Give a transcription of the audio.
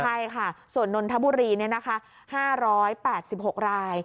ใช่ค่ะส่วนนทบุรีนี่นะคะ๕๘๖ราย